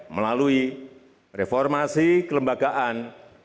melalui reformasi kelembagaan